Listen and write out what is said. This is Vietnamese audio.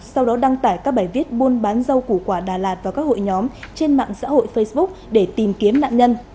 sau đó đăng tải các bài viết buôn bán rau củ quả đà lạt vào các hội nhóm trên mạng xã hội facebook để tìm kiếm nạn nhân